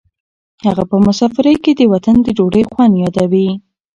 هغه په مسافرۍ کې د وطن د ډوډۍ خوند یادوي.